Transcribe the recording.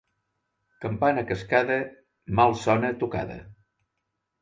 Campana cascada, mal sona tocada.